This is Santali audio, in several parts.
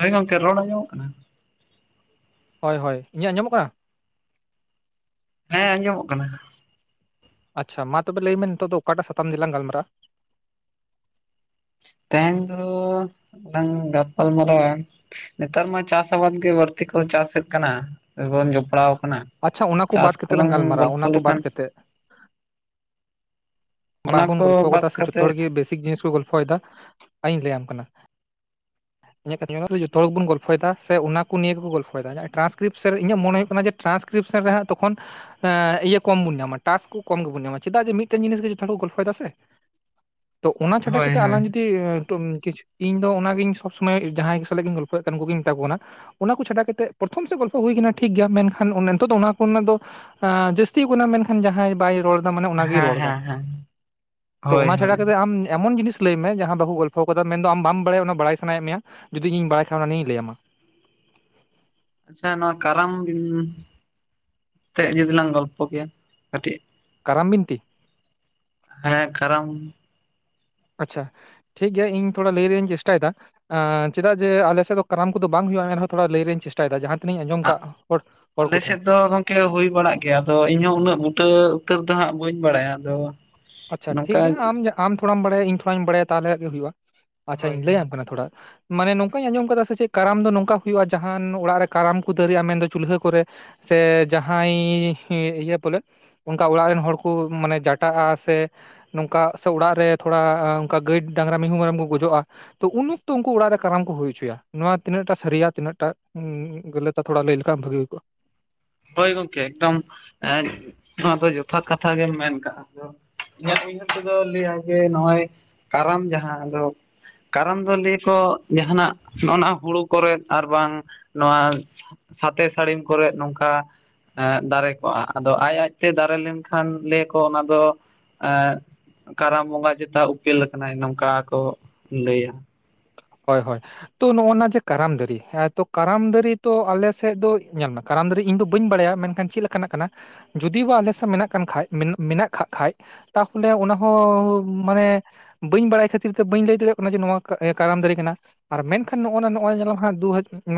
ᱦᱳᱭ ᱜᱚᱝᱠᱮ ᱨᱚᱲ ᱟᱸᱡᱚᱢᱚᱜ ᱠᱟᱱᱟ ᱾ ᱦᱳᱭ ᱦᱳᱭ, ᱤᱧᱟᱹᱜ ᱟᱸᱡᱚᱢᱚᱜ ᱠᱟᱱᱟ? ᱦᱮᱸ ᱟᱸᱡᱚᱢᱚᱜ ᱠᱟᱱᱟ ᱾ ᱟᱪᱪᱷᱟ ᱢᱟ ᱛᱚᱵᱮ ᱞᱟᱹᱭᱢᱮ ᱱᱤᱛᱚᱜ ᱫᱚ ᱚᱠᱟᱴᱟᱜ ᱥᱟᱛᱟᱢ ᱛᱮᱞᱟᱝ ᱜᱟᱞᱢᱟᱨᱟᱜᱼᱟ? ᱛᱮᱦᱮᱸᱧ ᱫᱚ ᱞᱟᱝ ᱜᱟᱯᱟᱞ ᱢᱟᱨᱟᱣᱟ᱾ ᱱᱮᱛᱟᱨ ᱢᱟ ᱪᱟᱥ ᱟᱵᱟᱫ ᱜᱮ ᱵᱟᱹᱲᱛᱤ ᱠᱚ ᱪᱟᱥᱮᱫ ᱠᱟᱱᱟ, ᱨᱮᱵᱚᱱ ᱡᱚᱯᱲᱟᱣ ᱠᱟᱱᱟ ᱟᱪᱪᱷᱟ ᱚᱱᱟ ᱾ ᱠᱚ ᱪᱟᱥ ᱵᱟᱫ ᱠᱟᱛᱮ ᱞᱟᱝ ᱠᱚᱞᱟᱝ ᱜᱟᱞᱢᱟᱨᱟᱜᱼᱟ ᱜᱚᱞᱯᱷᱚ ᱚᱱᱟ ᱠᱚ ᱞᱮᱠᱷᱟᱱ ᱵᱟᱫ ᱠᱟᱛᱮ ᱚᱱᱟ ᱵᱟᱝᱵᱚᱱ ᱠᱚ ᱜᱚᱞᱯᱷᱚ ᱵᱟᱫ ᱠᱟᱫᱟ ᱥᱮ ᱡᱚᱛᱚ ᱠᱟᱛᱮᱜ ᱦᱚᱲ ᱜᱮ ᱵᱮᱥᱤᱠ ᱡᱤᱱᱤᱥ ᱠᱚ ᱜᱚᱞᱯᱷᱚᱭᱮᱫᱟ, ᱟᱭᱤᱧ ᱞᱟᱹᱭᱟᱢ ᱠᱟᱱᱟ ᱾ [inaudible] ᱫᱚ ᱡᱚᱛᱚ ᱦᱚᱲ ᱜᱮᱵᱚᱱ ᱜᱚᱞᱯᱷᱚᱭᱮᱫᱟ, ᱥᱮ ᱚᱱᱟ ᱠᱚ ᱱᱤᱭᱟᱹ ᱜᱮᱠᱚ ᱜᱚᱞᱯᱷᱚᱭᱮᱫᱟ ᱾ ᱴᱨᱟᱱᱥᱠᱨᱤᱯ ᱥᱮᱱ ᱤᱧᱟᱹᱜ ᱢᱚᱱᱮ ᱦᱩᱭᱩᱜ ᱠᱟᱱᱟ ᱡᱮ ᱴᱨᱟᱱᱥᱠᱨᱤᱯᱥᱮᱱ ᱨᱮ ᱦᱟᱸᱜ ᱛᱚᱠᱷᱚᱱ ᱮᱸ ᱤᱭᱟᱹ ᱠᱚᱢ ᱵᱚᱱ ᱧᱟᱢᱟ ᱾ ᱴᱟᱥ ᱠᱚ ᱠᱚᱢ ᱜᱮᱵᱚᱱ ᱧᱟᱢᱟ ᱾ᱪᱮᱫᱟᱜ ᱡᱮ ᱢᱤᱫᱴᱮᱱ ᱡᱤᱱᱤᱥ ᱜᱮ ᱡᱚᱛᱚ ᱦᱚᱲ ᱠᱚ ᱜᱚᱞᱯᱷᱚᱭᱮᱫᱟ ᱥᱮ ᱾ [inaudible] ᱛᱚ ᱚᱱᱟ ᱪᱷᱟᱰᱟ ᱦᱳᱭ ᱠᱟᱛᱮ ᱦᱳᱭ ᱟᱞᱟᱝ ᱡᱩᱫᱤ ᱛᱩᱱᱠᱷᱤᱪ ᱤᱧᱫᱚ ᱚᱱᱟᱜᱤᱧ ᱥᱚᱵᱽ ᱥᱚᱢᱚᱭ ᱡᱟᱦᱟᱸᱭ ᱥᱟᱞᱟᱜ ᱜᱤᱧ ᱜᱚᱞᱯᱚᱭᱮᱫ ᱠᱟᱱ ᱩᱱᱠᱩᱜᱤᱧ ᱢᱮᱛᱟ ᱠᱚ ᱠᱟᱱᱟ᱾ ᱚᱱᱟ ᱠᱚ ᱪᱷᱟᱰᱟ ᱠᱟᱛᱮᱫ ᱯᱨᱚᱛᱷᱚᱢ ᱥᱮᱫ ᱜᱚᱞᱯᱷᱚ ᱦᱩᱭ ᱠᱟᱱᱟ ᱴᱷᱤᱠ ᱜᱮᱭᱟ ᱢᱮᱱᱠᱷᱟᱱ ᱱᱤᱛᱚᱜ ᱫᱚ ᱚᱱᱟ ᱠᱚᱨᱮᱱᱟᱜ ᱫᱚ ᱮᱸ ᱡᱟᱹᱥᱛᱤᱭ ᱠᱟᱱᱟᱭ ᱢᱮᱱᱠᱷᱟᱱ ᱡᱟᱦᱟᱸᱭ ᱵᱟᱭ ᱨᱚᱲ ᱢᱟᱱᱮ ᱚᱱᱟᱜᱮ ᱦᱮᱸ ᱨᱚᱲ ᱫᱟ ᱦᱮᱸ ᱦᱮᱸ ᱾ ᱛᱚ ᱦᱳᱭ ᱚᱱᱟ ᱪᱷᱟᱰᱟ ᱦᱳᱭ ᱠᱟᱛᱮ ᱟᱢ ᱮᱢᱚᱱ ᱡᱤᱱᱤᱥ ᱞᱟᱹᱭᱢᱮ ᱡᱟᱦᱟᱸ ᱵᱟᱠᱚ ᱜᱚᱞᱯᱷᱚ ᱠᱟᱫᱟ ᱢᱮᱱᱫᱚ ᱟᱢ ᱵᱟᱢ ᱵᱟᱲᱟᱭᱟ ᱚᱱᱟ ᱵᱟᱲᱟᱭ ᱥᱟᱱᱟᱭᱮᱫ ᱢᱮᱭᱟ, ᱡᱩᱫᱤ ᱤᱧ ᱵᱟᱲᱟᱭ ᱠᱷᱟᱱᱤᱧ ᱞᱟᱹᱭᱟᱢᱟ ᱾ ᱟᱪᱪᱷᱟ ᱱᱚᱣᱟ ᱠᱟᱨᱟᱢ ᱵᱤᱱ ᱛᱮᱜ ᱡᱩᱫᱤ ᱞᱟᱝ ᱜᱚᱞᱯᱷᱚ ᱠᱮᱭᱟ ᱠᱟᱹᱴᱤᱡ ᱠᱟᱨᱟᱢ ᱵᱤᱱᱛᱤ? ᱦᱮᱸ ᱠᱟᱨᱟᱢ᱾ ᱟᱪᱪᱷᱟ ᱴᱷᱤᱠᱜᱮᱭᱟ ᱤᱧ ᱛᱷᱚᱲᱟ ᱞᱟᱹᱭ ᱨᱮᱭᱟᱜ ᱤᱧ ᱪᱮᱥᱴᱟᱭᱮᱫᱟ, ᱮᱸ ᱪᱮᱫᱟᱜ ᱡᱮ ᱟᱞᱮ ᱥᱮᱫ ᱫᱚ ᱠᱟᱨᱟᱢ ᱠᱚᱫᱚ ᱵᱟᱝ ᱦᱩᱭᱩᱜᱼᱟ ᱾ ᱮᱱᱨᱮᱦᱚᱸ ᱛᱷᱚᱲᱟ ᱞᱟᱹᱭ ᱨᱮᱱᱟᱜ ᱤᱧ ᱪᱮᱥ ᱴᱟᱭᱫᱟ ᱡᱟᱸᱦᱟᱸ ᱛᱤᱱᱟᱹᱜ ᱤᱧ ᱟᱸᱡᱚᱢ ᱠᱟᱜ ᱦᱚᱲ ᱠᱚᱴᱷᱮᱱ᱾ ᱠᱟᱹ ᱦᱳᱭ ᱵᱟᱲᱟᱜ ᱜᱮᱭᱟ ᱾ ᱟᱫᱚ ᱤᱧᱦᱚᱸ ᱩᱱᱟᱹᱜ ᱵᱩᱴᱟᱹ ᱩᱛᱟᱹᱨ ᱫᱚ ᱦᱟᱸᱜ ᱵᱟᱹᱧ ᱵᱟᱲᱟᱭᱟ ᱾ ᱟᱫᱚ ᱟᱪᱪᱷᱟ ᱱᱚᱝᱠᱟ ᱴᱷᱤᱠᱜᱮᱭᱟ ᱟᱢ ᱡᱟ ᱛᱷᱚᱲᱟᱢ ᱵᱟᱲᱟᱭᱟ ᱤᱧ ᱛᱷᱟᱹᱲᱟᱧ ᱵᱟᱲᱟᱭᱟ ᱛᱟᱦᱚᱞᱮ ᱜᱮ ᱦᱩᱭᱩᱜᱼᱟ ᱾ ᱦᱳᱭ ᱦᱳᱭ ᱟᱪᱪᱷᱟᱧ ᱞᱟᱹᱭᱟᱢ ᱠᱟᱱᱟ ᱛᱷᱚᱲᱟ, ᱢᱟᱱᱮ ᱱᱚᱝᱠᱟᱧ ᱟᱸᱡᱚᱢ ᱠᱟᱫᱟ ᱥᱮ ᱪᱮᱫ ᱠᱟᱨᱟᱢ ᱫᱚ ᱱᱚᱝᱠᱟ ᱦᱩᱭᱩᱜᱼᱟ ᱾ ᱡᱟᱦᱟᱸᱱ ᱚᱲᱟᱜ ᱨᱮ ᱠᱟᱨᱟᱢ ᱠᱚ ᱫᱟᱹᱨᱮᱜᱼᱟ ᱾ ᱢᱮᱱᱫᱚ ᱪᱩᱞᱦᱟᱹ ᱠᱚᱨᱮ ᱥᱮ ᱡᱟᱦᱟᱸᱭ ᱤᱭᱟᱹ ᱵᱚᱞᱮ ᱚᱝᱠᱟ ᱚᱲᱟᱜ ᱨᱮᱱ ᱦᱚᱲ ᱠᱚ ᱢᱟᱱᱮ ᱡᱟᱴᱟᱜ-ᱟ ᱥᱮ ᱱᱚᱝᱠᱟ ᱥᱮ ᱚᱲᱟᱜ ᱨᱮ ᱛᱷᱚᱲᱟ ᱚᱝᱠᱟ ᱜᱟᱹᱭ ᱰᱟᱝᱨᱟ ᱢᱤᱭᱦᱩ ᱢᱮᱨᱚᱢ ᱠᱚ ᱜᱩᱡᱩᱜᱼᱟ, ᱛᱚ ᱩᱱ ᱚᱠᱛᱚ ᱩᱝᱠᱩ ᱚᱲᱟᱜ ᱨᱮ ᱠᱟᱨᱟᱢ ᱠᱚ ᱦᱩᱭ ᱦᱚᱪᱚᱭᱟ, ᱱᱚᱶᱟ ᱛᱤᱱᱟᱹᱜᱴᱟ ᱥᱟᱹᱨᱤᱭᱟ ᱛᱤᱱᱟᱹᱜ ᱴᱟ ᱩᱸ ᱜᱟᱹᱞᱤᱛᱟ ᱛᱷᱚᱲᱟᱢ ᱞᱟᱹᱭ ᱞᱮᱠᱷᱟᱱ ᱵᱷᱟᱹᱜᱤ ᱦᱩᱭ ᱠᱚᱜᱼᱟ᱾ ᱦᱳᱭ ᱜᱚᱢᱠᱮ ᱮᱠᱫᱚᱢ ᱮᱸᱫ ᱱᱚᱣᱟ ᱫᱚ ᱡᱚᱛᱷᱟᱛ ᱠᱟᱛᱷᱟ ᱜᱮᱢ ᱢᱮᱱ ᱠᱟᱜᱼᱟ᱾ ᱤᱧᱟᱹᱜ ᱩᱭᱦᱟᱹᱨ ᱛᱮᱫᱚ ᱞᱟᱹᱭᱟᱭ ᱡᱮ ᱱᱚᱸᱜᱼᱚᱭ ᱠᱟᱨᱟᱢ ᱡᱟᱦᱟᱸ ᱟᱫᱚ ᱠᱟᱨᱚᱢ ᱫᱚ ᱞᱟᱹᱭ ᱟᱠᱚ ᱡᱟᱦᱟᱸᱱᱟᱜ ᱱᱚᱜᱱᱟ ᱦᱩᱲᱩ ᱠᱚᱨᱮᱫ ᱟᱨ ᱵᱟᱝ ᱱᱚᱣᱟ ᱥᱟᱛᱮ ᱥᱟᱹᱲᱤᱢ ᱠᱚᱨᱮᱫ ᱱᱚᱝᱠᱟ ᱮᱸᱫ ᱫᱟᱨᱮ ᱠᱚᱜᱼᱟ ᱟᱫᱚ ᱟᱡ ᱟᱡᱛᱮ ᱫᱟᱨᱮ ᱞᱮᱱᱠᱷᱟᱱ ᱞᱟᱹᱭᱟ ᱠᱚ ᱚᱱᱟ ᱫᱚ ᱮᱸᱜ ᱠᱟᱨᱟᱢ ᱵᱚᱸᱜᱟ ᱪᱮᱛᱟ ᱩᱯᱮᱞ ᱠᱟᱱᱟᱭ ᱱᱚᱝᱠᱟ ᱠᱚ ᱞᱟᱹᱭᱟ᱾ ᱦᱳᱭ ᱦᱳᱭ ᱛᱚ ᱱᱚᱸᱜᱼᱱᱟ ᱡᱮ ᱠᱟᱨᱟᱢ ᱫᱟᱨᱤ ᱦᱮᱸᱛᱚ ᱠᱟᱨᱟᱢ ᱫᱟᱨᱤ ᱛᱚ ᱟᱞᱮ ᱥᱮᱫ ᱫᱚ ᱧᱮᱞ ᱢᱮ ᱠᱟᱨᱚᱢ ᱫᱟᱨᱮ ᱤᱧᱫᱚ ᱵᱟᱹᱧ ᱵᱟᱲᱟᱭᱟ ᱢᱮᱱᱠᱷᱟᱱ ᱪᱮᱫ ᱞᱮᱠᱟᱱᱟᱜ ᱠᱟᱱᱟ, ᱡᱩᱫᱤ ᱵᱟ ᱟᱞᱮ ᱥᱮᱫ ᱢᱮᱱᱟᱜ ᱠᱟᱱ ᱠᱷᱟᱡ ᱢᱮᱱᱟᱜ, ᱢᱮᱱᱟᱜ ᱠᱷᱟ ᱠᱷᱟᱡ, ᱛᱟᱦᱚᱞᱮ ᱚᱱᱟ ᱦᱚᱸ ᱢᱟᱱᱮ ᱵᱟᱹᱧ ᱵᱟᱲᱟᱭ ᱠᱷᱟᱹᱛᱤᱨ ᱛᱮ ᱵᱟᱹᱧ ᱞᱟᱹᱭ ᱫᱟᱲᱮᱭᱟᱜ ᱠᱟᱱᱟ ᱡᱮ ᱱᱚᱣᱟ ᱠᱟᱨᱟᱢ ᱫᱟᱨᱮ ᱠᱟᱱᱟ᱾ ᱟᱨ ᱢᱮᱱᱠᱷᱟᱱ ᱱᱚᱜᱼᱱᱟ ᱱᱚᱸᱜᱼᱚᱭ ᱧᱮᱞᱟᱢ ᱦᱟᱸᱜ ᱫᱩ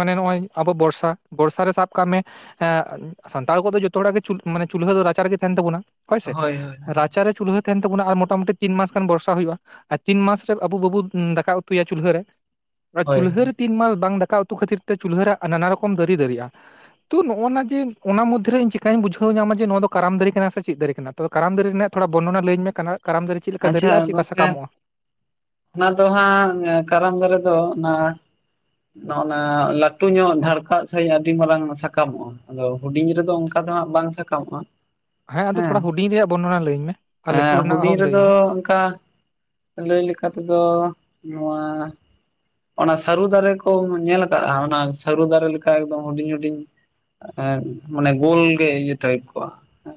ᱢᱟᱱᱮ ᱱᱚᱸᱜᱼᱚᱭ ᱟᱵᱚ ᱵᱚᱨᱥᱟ ᱵᱚᱨᱥᱟ ᱥᱟᱵ ᱠᱟᱜ ᱢᱮ ᱮᱸᱜ ᱥᱟᱱᱛᱟᱲ ᱠᱚᱫᱚ ᱡᱷᱚᱛᱚ ᱦᱚᱲᱟᱜ ᱜᱮ ᱢᱟᱱᱮ ᱪᱩᱞᱦᱟᱹ ᱫᱚ ᱨᱟᱪᱟ ᱨᱮᱜᱮ ᱛᱟᱦᱮᱸᱱ ᱛᱟᱵᱚᱱᱟ ᱦᱳᱭᱥᱮ ᱦᱳᱭ ᱦᱳᱭ ᱦᱳᱭ ᱨᱟ ᱪᱟᱨᱮ ᱪᱩᱞᱦᱟᱹ ᱛᱟᱸᱦᱮᱱ ᱛᱟᱵᱚᱱᱟ ᱟᱨ ᱢᱚᱴᱟᱢᱩᱴᱤ ᱛᱤᱱ ᱢᱟᱥ ᱜᱟᱱ ᱵᱨᱚᱥᱟ ᱦᱩᱭᱩᱜᱼᱟ, ᱟ ᱛᱤᱱᱢᱟᱥ ᱟᱵᱩ ᱵᱟᱵᱚ ᱫᱟᱠᱟ ᱩ ᱛᱩᱭᱟ ᱪᱩᱞᱦᱟᱹ ᱨᱮ ᱟᱨ ᱦᱳᱭ ᱪᱩᱞᱦᱟᱹ ᱨᱮ ᱛᱤᱱ ᱢᱟᱥ ᱵᱟᱝ ᱫᱟᱠᱟ ᱩᱛᱩ ᱠᱷᱟᱹᱛᱤᱨ ᱛᱮ ᱪᱩᱞᱦᱟᱹ ᱨᱮ ᱱᱟᱱᱟ ᱨᱚᱠᱚᱢ ᱫᱟᱨᱤ ᱫᱟᱨᱤᱜᱼᱟ᱾ ᱛᱚ ᱱᱚᱜᱼᱱᱟ ᱡᱮ ᱚᱱᱟ ᱢᱚᱫᱽᱫᱷᱨᱮ ᱤᱧ ᱪᱮᱟᱹᱧ ᱵᱩᱡᱟᱹᱣ ᱧᱟᱢᱟ ᱡᱮ ᱱᱚᱣᱟ ᱫᱚ ᱠᱟᱨᱟᱢ ᱫᱟᱨᱮ ᱠᱟᱱᱟ ᱥᱮ ᱪᱮᱫ ᱫᱟᱨᱮ ᱠᱟᱱᱟ? ᱛᱚᱵᱮ ᱠᱟᱨᱟᱢ ᱫᱟᱨᱮ ᱨᱮᱱᱟᱜ ᱛᱷᱚᱲᱟ ᱵᱚᱨᱱᱚᱱᱟ ᱞᱟᱹᱭᱟᱹ ᱢᱮ ᱠᱟᱱᱟ ᱠᱟᱨᱟᱢ ᱫᱟᱨᱮ ᱪᱮᱫ ᱞᱮᱠᱟ ᱟᱪᱪᱷᱟ ᱫᱟᱨᱮᱜᱼᱟ ᱪᱮᱫ ᱞᱮᱠᱟ ᱜᱚᱝᱠᱮ ᱥᱟᱠᱟᱢᱚᱜᱼᱟ? ᱚᱱᱟ ᱫᱚ ᱦᱟᱸᱜ ᱠᱟᱨᱟᱢ ᱫᱟᱨᱮ ᱫᱚ ᱚᱱᱟ ᱱᱚᱜᱼᱱᱟ ᱞᱟᱹᱴᱩ ᱧᱚᱜ ᱫᱷᱟᱲᱠᱟᱜ ᱥᱟᱦᱤᱡ ᱟᱹᱰᱤ ᱢᱟᱨᱟᱝ ᱥᱟᱠᱟᱢᱚᱜᱼᱟ᱾ ᱟᱫᱚ ᱦᱩᱰᱤᱧ ᱨᱮᱫᱚ ᱚᱝᱠᱟ ᱫᱚ ᱦᱟᱸᱜ ᱵᱟᱝ ᱥᱟᱠᱟᱢᱚᱜᱼᱟ᱾ ᱦᱮᱸ ᱟᱫᱚ ᱛᱷᱚᱲᱟ ᱦᱩᱰᱤᱧ ᱨᱮᱭᱟᱜ ᱵᱚᱨᱱᱚᱱᱟ ᱞᱟᱹᱭᱤᱧ ᱢᱮ ᱟᱨ ᱞᱟᱹᱴᱩ ᱨᱮᱱᱟᱜ ᱦᱚᱸᱚᱢ ᱞᱟᱹᱭ ᱤᱧᱟ᱾ ᱟᱫᱚ ᱚᱝᱠᱟ ᱞᱟᱹᱭ ᱞᱮᱠᱟ ᱛᱮᱫᱚ ᱱᱚᱣᱟ ᱚᱱᱟ ᱥᱟᱹᱨᱩ ᱫᱟᱨᱮ ᱠᱚ ᱧᱮᱞ ᱠᱟᱜᱼᱟ ᱚᱱᱟ ᱥᱟᱹᱨᱩ ᱫᱟᱨᱮ ᱞᱮᱠᱟ ᱮᱠᱫᱚᱢ ᱦᱩᱰᱤᱧ ᱦᱩᱰᱤᱧ ᱮᱸᱫ ᱢᱟᱱᱮ ᱜᱳᱞ ᱜᱮ ᱤᱭᱟᱹ ᱴᱟᱭᱤᱯ ᱠᱚᱣᱟ᱾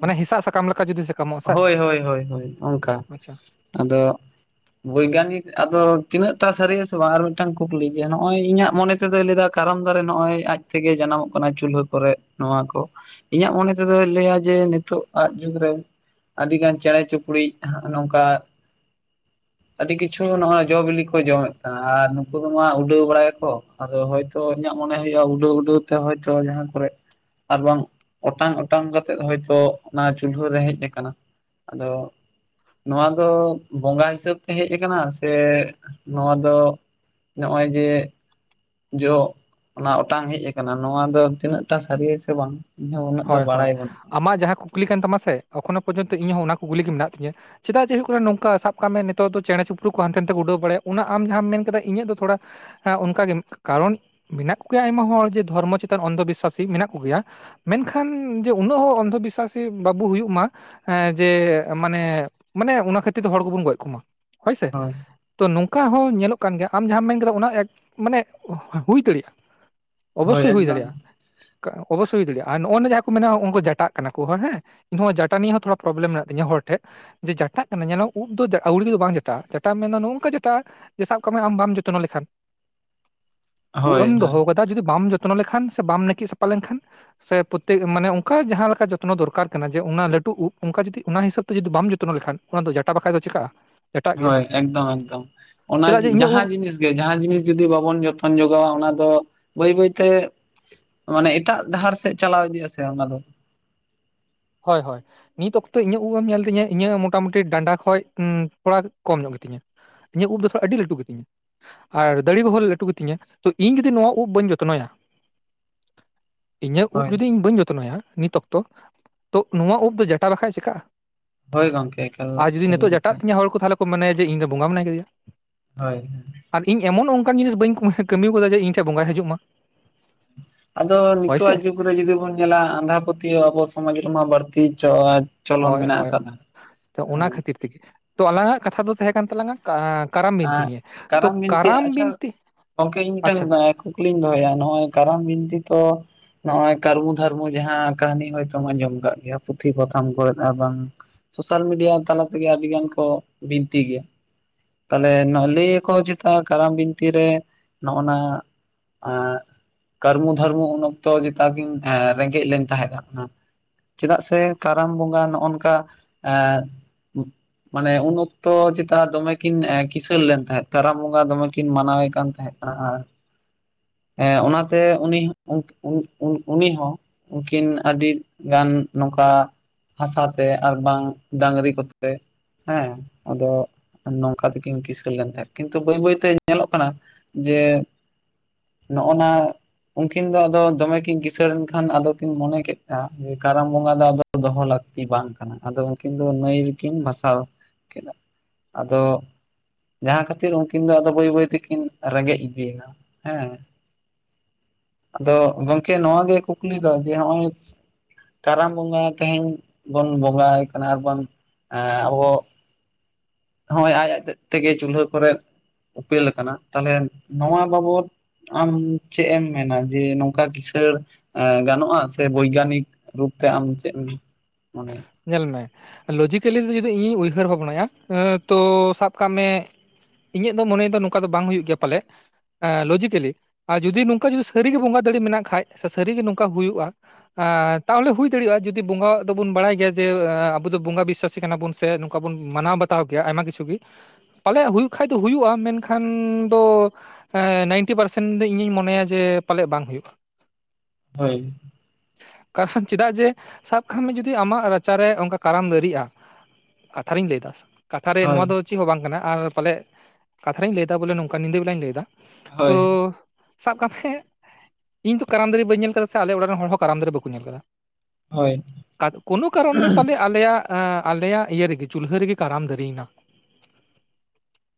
ᱢᱟᱱᱮ ᱦᱮᱸᱥᱟᱜ ᱥᱟᱠᱟᱢ ᱞᱮᱠᱟ ᱡᱩᱫᱤ ᱥᱟᱠᱟᱢᱚᱜᱼᱟ ᱥᱮ ᱦᱳᱭ ᱦᱳᱭ ᱦᱳᱭ ᱚᱝᱠᱟ, ᱟᱪᱪᱷᱟ ᱟᱫᱚ ᱵᱳᱭᱜᱟᱱᱤᱠ ᱟᱫᱚ ᱛᱤᱱᱟᱹᱜ ᱴᱟ ᱥᱟᱹᱨᱤᱜᱼᱟ ᱥᱮ ᱵᱟᱝ ᱟᱨ ᱢᱤᱫᱴᱟᱝ ᱠᱩᱠᱞᱤ ᱡᱮ ᱱᱚᱜᱼᱚᱭ ᱤᱧᱟᱹᱜ ᱢᱚᱱᱮ ᱛᱮᱫᱚᱭ ᱞᱟᱹᱭ ᱫᱟ ᱠᱟᱨᱟᱢ ᱫᱟᱨᱮ ᱱᱚᱜᱼᱚᱭ ᱟᱡ ᱛᱮᱜᱮ ᱡᱟᱱᱟᱢᱚᱜ ᱠᱟᱱᱟ ᱪᱩᱞᱦᱟᱹ ᱠᱚᱨᱮ ᱱᱚᱣᱟ ᱠᱚ, ᱤᱧᱟᱹᱜ ᱢᱚᱱᱮ ᱛᱮᱫᱚᱭ ᱞᱟᱹᱭᱟ ᱡᱮ ᱱᱤᱛᱚᱜ ᱟᱜ ᱡᱩᱜᱽ ᱨᱮ ᱟᱹᱰᱤ ᱜᱟᱱ ᱪᱮᱲᱮ ᱪᱩᱯᱲᱩ ᱱᱚᱝᱠᱟ, ᱟᱹᱰᱤ ᱠᱤᱪᱷᱩ ᱱᱚᱜᱼᱚᱭ ᱡᱚ ᱵᱤᱞᱤ ᱠᱚ ᱡᱚᱢᱮᱫ ᱠᱟᱱᱟ ᱟᱨ ᱱᱩᱠᱩ ᱫᱚ ᱢᱟ ᱩᱰᱟᱹᱣ ᱵᱟᱲᱟᱭᱟᱠᱚ᱾ ᱟᱫᱚ ᱦᱚᱭᱛᱚ ᱤᱧᱟᱹᱜ ᱢᱚᱱᱮ ᱦᱩᱭᱩᱜᱼᱟ ᱩᱰᱟᱹᱣ ᱩᱰᱟᱹᱣ ᱦᱚᱭᱛᱚ ᱡᱟᱦᱟᱸ ᱠᱚᱨᱮ ᱟᱨ ᱵᱟᱝ ᱚᱴᱟᱝ ᱚᱴᱟᱝ ᱠᱟᱛᱮᱫ ᱦᱚᱭᱛᱳ ᱚᱱᱟ ᱪᱩᱞᱦᱟᱹ ᱨᱮ ᱦᱮᱡ ᱟᱠᱟᱱ ᱠᱟᱱᱟ ᱟᱫᱚ ᱱᱚᱣᱟ ᱫᱚ ᱵᱚᱸᱜᱟ ᱦᱤᱥᱟᱹᱵ ᱛᱮ ᱦᱮᱡ ᱟᱠᱟᱱᱟ ᱥᱮ ᱱᱚᱣᱟ ᱫᱚ ᱱᱚᱜᱼᱚᱭ ᱡᱮ ᱡᱚᱜ ᱚᱱᱟ ᱚᱴᱟᱝ ᱦᱮᱡ ᱟᱠᱟᱱᱟ, ᱱᱚᱣᱟ ᱫᱚ ᱛᱤᱱᱟᱹᱜ ᱴᱟ ᱥᱟᱹᱨᱤᱭᱟ ᱥᱮ ᱵᱟᱝ? ᱤᱧ ᱦᱚᱸ ᱩᱱᱟᱹᱜ ᱫᱚ ᱦᱳᱭ ᱦᱳᱭ ᱵᱟᱲᱟᱭ ᱵᱟᱹᱱᱩᱜᱼᱟ ᱟᱢᱟᱜ ᱡᱟᱦᱟᱸ ᱠᱩᱠᱞᱤ ᱠᱟᱱ ᱛᱟᱢᱟ ᱥᱮ ᱮᱠᱷᱚᱱᱚ ᱯᱚᱨᱡᱚᱱᱛᱚ ᱤᱧᱦᱚᱸ ᱚᱱᱟ ᱠᱩᱠᱞᱤ ᱜᱮ ᱢᱮᱱᱟᱜ ᱛᱤᱧᱟᱹ᱾ ᱪᱮᱫᱟᱜ ᱡᱮ ᱦᱩᱭᱩᱜ ᱠᱟᱱᱟ ᱱᱚᱝᱠᱟ ᱥᱟᱵ ᱠᱟᱜ ᱢᱮ ᱱᱤᱛᱚᱜ ᱫᱚ ᱪᱮᱲᱮ ᱪᱩᱯᱨᱩ ᱠᱚ ᱦᱟᱱᱛᱮ ᱱᱟᱛᱮ ᱠᱚ ᱩᱰᱟᱹᱣ ᱵᱟᱲᱟᱭᱟ ᱚᱱᱟ ᱟᱢ ᱡᱟᱦᱟᱸᱢ ᱢᱮᱱ ᱠᱮᱫᱟ ᱤᱧᱟᱹᱜ ᱫᱚ ᱛᱷᱚᱲᱟ ᱦᱮᱸ ᱚᱱᱠᱟᱜᱮ ᱠᱟᱨᱚᱱ ᱢᱮᱱᱟᱜ ᱠᱚ ᱜᱮᱭᱟ ᱟᱭᱢᱟ ᱦᱚᱲ ᱡᱮ ᱫᱷᱚᱨᱢᱚ ᱪᱮᱛᱟᱱ ᱚᱱᱫᱷᱚ ᱵᱤᱥᱥᱟᱥᱤ ᱢᱮᱱᱟᱜ ᱠᱚᱜᱮᱭᱟ᱾ ᱢᱮᱱᱠᱷᱟᱱ ᱡᱮ ᱩᱱᱟᱹᱜ ᱦᱚᱸ ᱚᱱᱫᱷᱚ ᱵᱤᱥᱥᱟᱥᱤ ᱵᱟᱵᱚ ᱦᱩᱭᱩᱜ ᱢᱟ᱾ ᱮᱸ ᱡᱮ ᱢᱟᱱᱮ ᱢᱟᱱᱮ ᱚᱱᱟ ᱠᱷᱟᱹᱛᱤᱨ ᱛᱮ ᱦᱚᱲ ᱠᱚᱵᱚᱱ ᱜᱚᱡ ᱠᱚᱢᱟ᱾ ᱦᱚᱭᱥᱮ? ᱦᱳᱭ ᱛᱚ ᱱᱚᱝᱠᱟ ᱦᱚᱸ ᱧᱮᱞᱚᱜ ᱠᱟᱱ ᱜᱮᱭᱟ, ᱟᱢ ᱡᱟᱸᱦᱟᱸᱢ ᱢᱮᱱ ᱠᱮᱫᱟ ᱚᱱᱟ ᱮᱠ ᱢᱟᱱᱮ ᱦᱩᱭ ᱫᱟᱹᱲᱮᱜᱼᱟ᱾ ᱦᱳᱭ ᱚᱵᱚᱥᱥᱳᱭ ᱦᱩᱭ ᱮᱠᱫᱚᱢ ᱫᱟᱲᱮᱭᱟᱜᱼᱟ, ᱚᱱᱠᱟ ᱚᱵᱚᱥᱥᱳᱭ ᱦᱩᱭ ᱫᱟᱲᱮᱭᱟᱜᱼᱟ᱾ ᱟᱨ ᱱᱚᱜᱱᱚᱶᱟ ᱡᱟᱦᱟᱸ ᱠᱚ ᱢᱮᱱᱟᱜ ᱩᱱᱠᱩ ᱡᱟᱴᱟᱜ ᱠᱟᱱᱟ ᱠᱚ ᱦᱮ ᱱᱚᱣᱟ ᱡᱟᱴᱟ ᱱᱤᱭᱮ ᱦᱚᱸ ᱛᱷᱚᱲᱟ ᱯᱨᱚᱵᱽᱞᱮᱢ ᱢᱮᱱᱟᱜ ᱛᱤᱧᱟᱹ ᱦᱚᱲ ᱴᱷᱮᱱ᱾ ᱡᱮ ᱡᱟᱴᱟᱜ ᱠᱟᱱᱟ ᱡᱮᱱᱚ ᱩᱫ ᱫᱚ ᱟᱹᱣᱲᱤᱜ ᱫᱚ ᱵᱟᱝ ᱡᱟᱴᱟᱜᱼᱟ ᱡᱟᱴᱟᱢ ᱢᱮᱱ ᱱᱚᱜᱼᱚ ᱱᱚᱝᱠᱟ ᱡᱟᱴᱟᱜᱼᱟ, ᱡᱮ ᱥᱟᱵ ᱠᱟᱜ ᱢᱮ ᱟᱢ ᱵᱟᱢ ᱡᱚᱛᱱᱚ ᱞᱮᱠᱷᱟᱱ᱾ [inaudible] ᱩᱵ ᱦᱳᱭ ᱮᱢ ᱦᱳᱭ ᱫᱚᱦᱚᱣ ᱠᱟᱫᱟ ᱡᱩᱫᱤ ᱵᱟᱢ ᱡᱚᱛᱱᱚ ᱞᱮᱠᱷᱟᱱ ᱥᱮ ᱵᱟᱢ ᱱᱟᱹᱠᱤᱡ ᱥᱟᱯᱷᱟ ᱞᱮᱱᱠᱷᱟᱱ, ᱥᱮ ᱯᱨᱚᱛᱛᱮᱠ ᱢᱟᱱᱮ ᱚᱱᱠᱟ ᱡᱟᱦᱟᱸ ᱞᱮᱠᱟ ᱡᱚᱛᱱᱚ ᱫᱚᱨᱠᱟᱨ ᱠᱟᱱᱟ ᱡᱮ ᱚᱱᱟ ᱞᱟᱹᱴᱩ ᱩᱵ ᱚᱱᱠᱟ ᱡᱩᱫᱤ ᱚᱱᱟ ᱦᱤᱥᱟᱹᱵᱽ ᱛᱮ ᱡᱩᱫᱤ ᱵᱟᱢ ᱡᱚᱛᱱᱚ ᱞᱮᱠᱷᱟᱱ ᱚᱱᱟᱫᱚ ᱡᱟᱴᱟ ᱵᱟᱠᱷᱟᱱ ᱫᱚ ᱪᱤᱠᱟᱹᱜᱼᱟ᱾ ᱡᱟᱴᱟᱜ ᱜᱮᱭᱟ ᱦᱳᱭ ᱮᱠᱫᱚᱢ ᱮᱠᱫᱚᱢ ᱚᱱᱟ ᱪᱮᱫᱟᱜ ᱡᱮ ᱤᱧᱟᱹᱜ ᱩᱵ ᱡᱟᱦᱟᱸ ᱡᱤᱱᱤᱥ ᱡᱮ ᱡᱟᱦᱟᱸ ᱡᱤᱱᱤᱥ ᱡᱩᱫᱤ ᱵᱟᱵᱚᱱ ᱡᱚᱛᱚᱱ ᱡᱚᱜᱟᱣᱟ, ᱚᱱᱟ ᱫᱚ ᱵᱟᱹᱭ ᱵᱟᱹᱭᱛᱮ ᱢᱟᱱᱮ ᱮᱴᱟᱜ ᱰᱟᱦᱟᱨ ᱥᱮᱫ ᱪᱟᱞᱟᱣ ᱤᱫᱤᱜᱼᱟ ᱥᱮ ᱚᱱᱟ ᱫᱚ᱾ ᱦᱳᱭ ᱦᱳᱭ ᱱᱤᱛ ᱚᱠᱛᱚ ᱤᱧᱟᱹᱜ ᱩᱵᱮᱢ ᱧᱮᱞ ᱛᱤᱧᱟᱹ ᱤᱧᱟᱹᱜ ᱢᱚᱴᱟᱢᱩᱴᱤ ᱰᱟᱸᱰᱟ ᱠᱷᱚᱡ ᱩᱸ ᱛᱷᱚᱲᱟ ᱠᱚᱢ ᱧᱚᱜ ᱜᱮᱛᱤᱧᱟ᱾ ᱤᱧᱟᱹᱜ ᱩᱵ ᱫᱚ ᱛᱷᱚᱲᱟ ᱟᱹᱰᱤ ᱞᱟᱴᱩ ᱜᱮᱛᱤᱧᱟ᱾ ᱟᱨ ᱫᱟᱨᱮ ᱠᱚᱦᱚᱸ ᱞᱟᱹᱴᱩ ᱜᱮᱛᱤᱧᱟ ᱛᱚ ᱤᱧ ᱡᱩᱫᱤ ᱱᱚᱣᱟ ᱩᱵ ᱵᱟᱹᱧ ᱡᱚᱛᱱᱚᱭᱟ, [inaudible] ᱤᱧᱟᱹᱜ ᱩᱵ ᱦᱳᱭ ᱡᱩᱫᱤ ᱤᱧ ᱵᱟᱹᱧ ᱡᱚᱛᱱᱚᱭᱟ ᱱᱤᱛ ᱚᱠᱛᱚ ᱛᱚ ᱱᱚᱣᱟ ᱩᱵ ᱫᱚ ᱡᱟᱴᱟ ᱵᱟᱠᱷᱟᱡ ᱪᱤᱠᱟᱜᱼᱟ ᱦᱳᱭ ᱜᱚᱝᱠᱮ ᱮᱠᱟᱞ ᱟᱨ ᱡᱩᱫᱤ ᱥᱟᱹᱨᱤ ᱱᱤᱛᱚᱜ ᱠᱟᱛᱷᱟ ᱡᱟᱴᱟᱜ ᱛᱤᱧᱟᱹ ᱦᱚᱲ ᱠᱚ ᱛᱟᱦᱚᱞᱮ ᱠᱷ ᱠᱚ ᱢᱚᱱᱮᱭᱟ ᱡᱮ ᱤᱧ ᱫᱚ ᱵᱚᱸᱜᱟ ᱢᱮᱱᱟᱭ ᱠᱟᱫᱮᱭᱟ᱾ ᱦᱳᱭ ᱟᱨ ᱤᱧ ᱮᱢᱚᱱ ᱚᱱᱠᱟᱱ ᱡᱤᱱᱤᱥ ᱵᱟᱹᱧ ᱠᱟᱹᱢᱤᱣ ᱠᱟᱫᱟ ᱡᱮ ᱤᱧ ᱴᱷᱮᱱ ᱵᱚᱸᱜᱟᱭ ᱦᱤᱡᱩᱜ ᱢᱟ᱾ ᱟᱫᱚ ᱦᱳᱭ ᱱᱤᱛᱚᱜᱼᱟ ᱥᱮ ᱡᱩᱜᱽ ᱜᱩᱨᱮ ᱡᱩᱫᱤ ᱵᱚᱱ ᱧᱮᱞᱟ ᱟᱸᱫᱷᱟ ᱯᱟᱹᱛᱭᱟ ᱥᱚᱢᱟᱡᱽ ᱨᱮ ᱵᱟᱹᱲᱛᱤ ᱪᱚ ᱪᱚᱞᱚᱱ ᱦᱳᱭ ᱢᱮᱱᱟᱜ ᱦᱳᱭ ᱟᱠᱟᱫᱟ᱾ ᱛᱚ [unintelligible] ᱛᱚ ᱟᱞᱟᱝᱟᱜ ᱠᱟᱛᱷᱟ ᱫᱚ ᱛᱟᱦᱮᱸ ᱠᱟᱱ ᱛᱟᱞᱟᱝᱟ, ᱟᱻ ᱠᱟᱨᱟᱢ ᱵᱤᱱᱛᱤ ᱟᱸ ᱱᱤᱭᱟᱹ ᱛᱚ ᱵᱤᱱᱛᱤ ᱠᱟᱨᱟᱢ ᱟᱪᱪᱷᱟ ᱵᱤᱱᱛᱤ, ᱟᱪᱪᱷᱟ ᱞᱤᱧ ᱫᱚᱦᱚᱭᱟ ᱱᱚᱜᱼᱚᱭ ᱠᱚᱨᱟᱢ ᱵᱤᱱᱛᱤ ᱛᱚ ᱱᱚᱜ-ᱚᱭ ᱠᱟᱹᱨᱢᱩ ᱫᱷᱟᱨᱢᱩ ᱡᱟᱦᱟᱸ ᱠᱟᱹᱦᱱᱤ ᱦᱚᱭᱛᱳ ᱟᱸᱡᱚᱢ ᱟᱠᱟᱫ ᱜᱮᱭᱟ ᱯᱩᱛᱷᱤ ᱯᱟᱛᱷᱟᱢ ᱠᱚᱨᱮ ᱫᱚ, ᱟᱨ ᱵᱟᱝ ᱥᱳᱥᱟᱞ ᱢᱤᱰᱤᱭᱟ ᱛᱟᱞᱟ ᱛᱮᱜᱮ ᱟᱹᱰᱤ ᱜᱟᱱ ᱠᱚ ᱵᱤᱱᱛᱤ ᱜᱮᱭᱟ᱾ ᱛᱟᱦᱞᱮ ᱞᱟᱹᱭ ᱟᱠᱚ ᱪᱮᱛᱟ ᱠᱟᱨᱟᱢ ᱵᱤᱱᱛᱥ ᱨᱮ ᱱᱚᱜ ᱱᱚᱣᱟ, ᱟᱻ ᱠᱟᱨᱢᱩ ᱫᱷᱟᱨᱢᱚ ᱩᱱ ᱚᱠᱛᱚ ᱪᱮᱛᱟ ᱠᱤᱱ ᱨᱮᱸᱜᱮᱡ ᱞᱮᱱ ᱛᱟᱦᱮᱸᱫ-ᱟ᱾ ᱪᱮᱫᱟᱜ ᱥᱮ ᱠᱟᱨᱟᱢ ᱵᱚᱸᱜᱟ ᱱᱚᱜᱼᱚ ᱱᱚᱝᱠᱟ᱾ ᱟᱻ ᱢᱟᱱᱮ ᱩᱱ ᱚᱠᱛᱚ ᱪᱮᱛᱟ ᱫᱚᱢᱮ ᱠᱤᱱ ᱠᱤᱥᱟᱹᱬ ᱞᱮᱱ ᱛᱟᱦᱮᱸᱫᱽ ᱠᱟᱨᱟᱢ ᱵᱚᱸᱜᱟ ᱫᱚᱢᱮ ᱠᱤᱱ ᱢᱟᱱᱟᱣᱮ ᱠᱟᱱ ᱛᱟᱦᱮᱸᱫᱽ ᱠᱟᱱᱟ ᱟᱨ, ᱦᱮ ᱚᱱᱟᱛᱮ ᱩᱱᱤ, ᱩᱱ-ᱩᱱ-ᱩᱱ-ᱩᱱᱤ ᱦᱚᱸ, ᱩᱱᱠᱤᱱ ᱟᱰᱤᱜᱟᱱ ᱱᱚᱝᱠᱟ᱾ ᱦᱟᱥᱟ ᱛᱮ ᱟᱨ ᱵᱟᱝ ᱰᱟᱝᱨᱤ ᱠᱚᱛᱮ ᱦᱮᱸ ᱟᱫᱚ, ᱱᱚᱝᱠᱟ ᱛᱮᱠᱤᱱ ᱠᱤᱥᱟᱹᱲ ᱞᱮᱱ ᱛᱟᱦᱮᱸᱫ ᱠᱤᱱᱛᱩ ᱵᱟᱹᱭ-ᱵᱟᱹᱭ ᱛᱮ ᱧᱮᱞᱚᱜ ᱠᱟᱱᱟ ᱡᱮ, ᱱᱚᱜ ᱱᱚᱣᱟ, ᱩᱱᱠᱤᱱ ᱫᱚ ᱟᱫᱚ ᱫᱚᱢᱮ ᱠᱤᱱ ᱠᱤᱥᱟᱹᱬ ᱮᱱ ᱠᱷᱟᱱ ᱟᱫᱚ ᱠᱤᱱ ᱢᱚᱱᱮ ᱠᱮᱫᱽᱼᱟ ᱠᱟᱨᱟᱢ ᱵᱚᱸᱜᱟ ᱫᱚ ᱟᱫᱚ, ᱫᱚᱦᱚ ᱞᱟᱹᱠᱛᱤ ᱵᱟᱝ ᱠᱟᱱᱟ ᱟᱫᱚ ᱩᱱᱠᱤᱱ ᱫᱚ ᱱᱟᱹᱭ ᱨᱮᱠᱤᱱ ᱵᱟᱥᱟᱣ ᱠᱮᱫᱟ᱾ ᱟᱫᱚ, ᱡᱟᱦᱟᱸ ᱠᱷᱟᱹᱛᱤᱨ ᱩᱱᱠᱤᱱ ᱫᱚ ᱟᱫᱚ ᱵᱟᱹᱭ- ᱵᱟᱹᱭ ᱛᱮᱠᱤᱱ ᱨᱮᱸᱜᱮᱡᱽ ᱤᱫᱤᱭᱮᱱᱟ ᱦᱮᱸ᱾ ᱟᱫᱚ ᱜᱚᱢᱠᱮ ᱱᱚᱣᱟ ᱜᱮ ᱠᱩᱠᱞᱤ ᱫᱚ ᱡᱮ ᱦᱚᱸᱜᱼᱚᱭ᱾ ᱠᱟᱨᱟᱢ ᱵᱚᱸᱜᱟ ᱛᱮᱦᱮᱧ ᱵᱚᱱ ᱵᱚᱸᱜᱟ ᱟᱭ ᱠᱟᱱᱟ ᱟᱨᱵᱟᱝ ᱟᱵᱚ, ᱱᱚᱜᱚᱭ ᱟᱡ ᱟᱡ ᱛᱮᱫᱽ ᱛᱮᱜᱮ ᱪᱩᱞᱦᱟᱹ ᱠᱚᱨᱮᱜ ᱩᱯᱮᱞ ᱟᱠᱟᱱᱟ ᱛᱟᱦᱚᱞᱮ ᱱᱚᱣᱟ ᱵᱟᱵᱚᱫ, ᱟᱢ ᱪᱮᱫᱽ ᱮᱢ ᱢᱮᱱᱟ ᱡᱮ ᱱᱚᱝᱠᱟ ᱠᱤᱥᱟᱹᱲ ᱜᱟᱱᱚᱜ-ᱟ ᱥᱮ ᱵᱳᱭᱜᱟᱱᱤᱠ ᱨᱩᱯᱛᱮ ᱟᱢ ᱪᱮᱫ ᱮᱢ ᱢᱚᱱᱮ-ᱟ᱾ ᱧᱮᱞ ᱢᱮ ᱞᱚᱡᱤᱠᱮᱞᱤ ᱫᱚ ᱡᱩᱫᱤ ᱤᱧᱤᱧ ᱩᱭᱦᱟᱹᱨ ᱵᱷᱟᱵᱽᱱᱟᱭᱟ ᱛᱚ ᱥᱟᱵ ᱠᱟᱜ ᱢᱮ, ᱤᱧᱟᱹᱜ ᱫᱚ ᱢᱚᱱᱮ ᱫᱚ ᱱᱚᱝᱠᱟ ᱫᱚ ᱵᱟᱝ ᱦᱩᱭᱩᱜ ᱜᱮᱭᱟ ᱯᱟᱞᱮ, ᱞᱚᱡᱤᱠᱮᱞᱤ ᱟᱨ ᱡᱩᱫᱤ ᱱᱚᱝᱠᱟ ᱡᱩᱫᱤ ᱥᱟᱹᱨᱤᱜᱮ ᱵᱚᱸᱜᱟ ᱫᱟᱲᱮ ᱢᱮᱱᱟᱜ ᱠᱷᱟᱡ ᱥᱮ ᱥᱟᱹᱨᱤᱜᱮ ᱱᱚᱝᱠᱟ ᱦᱩᱭᱩᱜᱼᱟ᱾ ᱛᱟᱦᱚᱞᱮ ᱦᱩᱭ ᱫᱟᱲᱮᱭᱟᱜᱼᱟ ᱡᱩᱚᱫᱤ ᱵᱚᱸᱜᱟ, ᱟᱫᱚᱵᱚᱱ ᱵᱟᱲᱟᱭ ᱜᱮᱭᱟ ᱡᱮ ᱟᱵᱚ ᱫᱚ ᱵᱚᱸᱜᱟ ᱵᱤᱥᱟᱥᱤ ᱠᱟᱱᱟᱵᱚᱱ ᱥᱮ ᱱᱚᱝᱠᱟ ᱵᱚᱱ ᱢᱟᱱᱟᱣ ᱵᱟᱛᱟᱣ ᱜᱮᱭᱟ ᱟᱭᱢᱟ ᱠᱤᱪᱷᱩ ᱜᱮ᱾ ᱯᱟᱞᱮᱭᱟᱜ ᱦᱩᱭᱩᱜ ᱠᱷᱟᱡ ᱫᱚ ᱦᱩᱭᱩᱜᱼᱟ ᱢᱮᱱᱠᱷᱟᱱ ᱫᱚ, ᱱᱟᱭᱤᱱᱴᱤ ᱯᱟᱨᱥᱮᱱᱴ ᱤᱧᱤᱧ ᱢᱚᱱᱮᱭᱟ ᱡᱮ ᱯᱟᱞᱮᱫ ᱵᱟᱝ ᱦᱩᱭᱩᱜᱼᱟ᱾ ᱦᱳᱭ, ᱠᱟᱨᱚᱱ ᱪᱮᱫᱟᱜ ᱡᱮ ᱥᱟᱵᱽ ᱠᱟᱜ ᱢᱮ ᱡᱩᱫᱤ ᱟᱢᱟᱜ ᱨᱟᱪᱟᱨᱮ ᱚᱱᱠᱟ ᱠᱟᱨᱟᱢ ᱫᱟᱨᱤᱜᱼᱟ, ᱠᱟᱛᱷᱟ ᱨᱤᱧ ᱞᱟᱹᱭᱮᱫᱟ ᱠᱟᱛᱷᱟᱨᱮ ᱦᱳᱭ ᱱᱚᱣᱟ ᱫᱚ, ᱪᱮᱫ ᱦᱚᱸ ᱵᱟᱝ ᱠᱟᱱᱟ ᱟᱨ ᱯᱟᱞᱮ ᱠᱟᱛᱷᱟ ᱨᱤᱧ ᱞᱟᱹᱭᱮᱫᱟ ᱵᱚᱞᱮ ᱱᱚᱝᱠᱟ ᱧᱤᱫᱟᱹ ᱵᱮᱞᱟᱧ ᱞᱟᱹᱭᱮᱫᱟ, ᱛᱚ ᱦᱳᱭ ᱥᱟᱵᱽ ᱠᱟᱜ ᱢᱮ ᱤᱧ ᱛᱚ ᱠᱟᱨᱟᱢ ᱫᱟᱨᱮ ᱵᱟᱹᱧ ᱧᱮᱞ ᱟᱠᱟᱫᱟ ᱥᱮ ᱟᱞᱮ ᱚᱲᱟᱜ ᱨᱮᱱ ᱦᱚᱲ ᱦᱚᱸ ᱠᱟᱨᱟᱢ ᱫᱟᱨᱮ ᱵᱟᱠᱚ ᱧᱮᱞ ᱟᱠᱟᱫᱟ᱾ ᱦᱳᱭ᱾ ᱠᱳᱱᱳ ᱠᱟᱨᱚᱱ ᱨᱮ ᱯᱟᱞᱮ ᱟᱞᱮᱭᱟᱜ ᱟᱞᱮᱭᱟᱜ ᱤᱭᱟᱹ ᱨᱮᱜᱮ ᱪᱩᱞᱦᱟᱹ ᱨᱮᱜᱮ ᱠᱟᱨᱟᱢ ᱫᱟᱨᱤᱭᱮᱱᱟ᱾